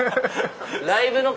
ライブの